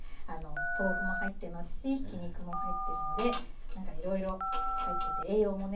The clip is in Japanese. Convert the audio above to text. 豆腐も入ってますしひき肉も入ってるのでなんかいろいろ入ってて栄養もね